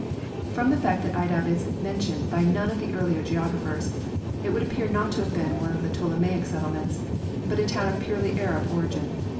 From the fact that Aydab is mentioned by none of the earlier geographers it would appear not to have been one of the Ptolemaic settlements, but a town of purely Arab origin.